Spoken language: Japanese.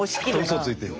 うそついてる。